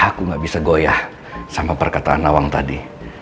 aku gak bisa goyah sama perkataan nawang tadi